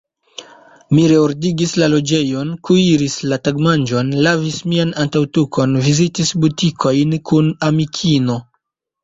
Mi reordigis la loĝejon, kuiris la tagmanĝon, lavis mian antaŭtukon, vizitis butikojn kun amikino.